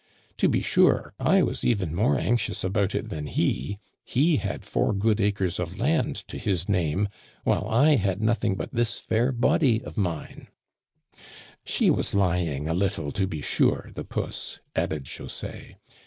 To be sure, I was even more anxious about it than he ; he had four good acres of land to his name, while I had nothing but this fair body of mine.' Digitized by VjOOQIC A SUPPER. 91 She was lyîng a little to be sure, the puss,*' added José.